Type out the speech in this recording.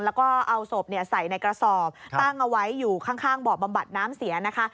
แล้วก็เอาศพใส่ในกระสอบตั้งเอาไว้อยู่ข้างบ่อบำบัดน้ำเสียนะคะ